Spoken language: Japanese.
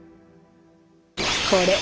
これ！